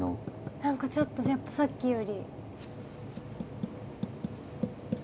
何かちょっとさっきより。